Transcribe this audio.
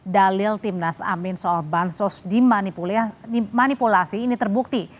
dalil timnas amin soal bansos di manipulasi ini terbukti